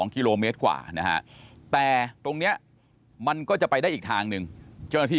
กิโลเมตรกว่านะฮะแต่ตรงนี้มันก็จะไปได้อีกทางหนึ่งเจ้าหน้าที่